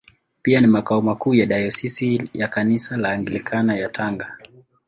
Pia ni makao makuu ya Dayosisi ya Kanisa la Anglikana ya Tanga.